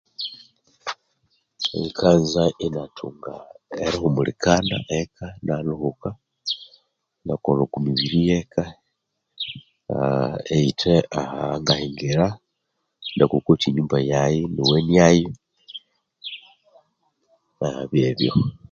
Likanza inathunga erihumulikana eka nalhuhuka nakolha oko mibiri yeka aah eyithe aha ngahingira nakokothya enyuma yayi inawaniayu aah byebyo